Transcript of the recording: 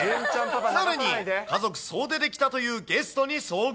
さらに家族総出で来たというゲストに遭遇。